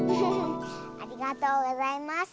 ありがとうございます。